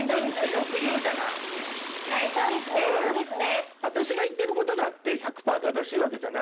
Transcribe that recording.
はいそうですねそうですね。